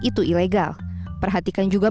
itu ilegal perhatikan juga